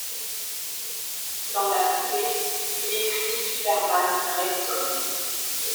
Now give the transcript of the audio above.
Dans la foulée, il écrit Superman - Red Son.